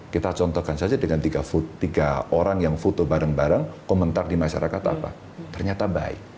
kita contohkan saja dengan tiga orang yang foto bareng bareng komentar di masyarakat apa ternyata baik